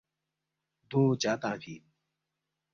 دو چا تنگفی اِن؟